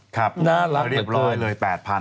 ครับเรียบร้อยเลย๘๐๐๐